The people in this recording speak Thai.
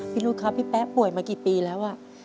พี่ลูกครับพี่แป๊บป่วยมากี่ปีแล้ว